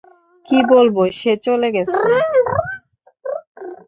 কি বলব, সে চলে গেছে।